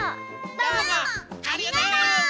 どうもありがとう！